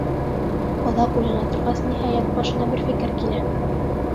Оҙаҡ уйлана торғас, ниһайәт, башына бер фекер килә.